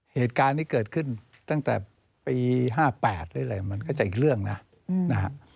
เหตุการณ์ที่เกิดขึ้นตั้งแต่ปี๕๘หรืออะไรมันก็จะอีกเรื่องนะนะฮะ